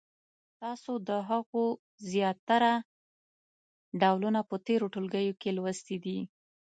تاسو د هغو زیاتره ډولونه په تېرو ټولګیو کې لوستي دي.